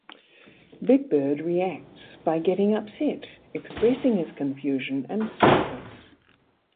Big Bird reacts by getting upset, expressing his confusion and sadness.